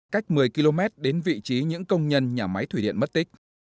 cách một mươi km đến vị trí những công nhân nhà máy thủy điện mất tích